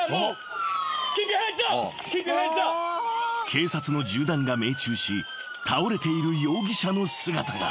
［警察の銃弾が命中し倒れている容疑者の姿が］